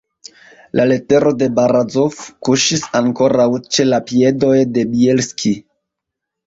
La letero de Barazof kuŝis ankoraŭ ĉe la piedoj de Bjelski.